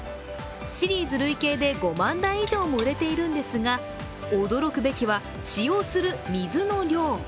シリーズ累計で５万台以上も売れているんですが驚くべきは使用する水の量。